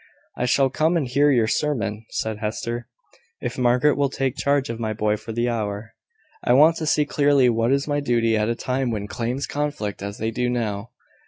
"I shall come and hear your sermon," said Hester, "if Margaret will take charge of my boy for the hour. I want to see clearly what is my duty at a time when claims conflict as they do now."